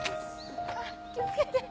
あっ気をつけて！